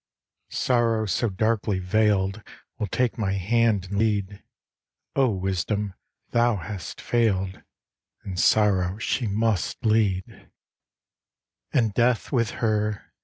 Sorrow so darkly veiled Will take my hand and lead. O Wisdom, thou hast failed, And Sorrow, she must lead; And Death with her.